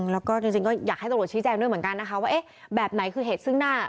แล้วก็จริงก็อยากให้ตำรวจชี้แจงด้วยเหมือนกันนะคะว่าเอ๊ะแบบไหนคือเหตุซึ่งหน้า